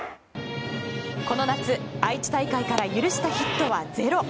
この夏、愛知大会から許したヒットはゼロ。